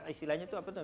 istilahnya itu apa tuh